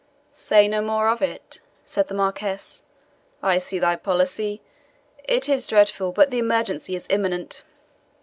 "Say no more of it," said the Marquis; "I see thy policy it is dreadful, but the emergency is imminent."